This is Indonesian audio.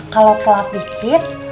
kalau telat dikit